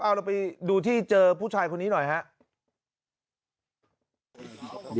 เอาเราไปดูที่เจอผู้ชายคนนี้หน่อยครับ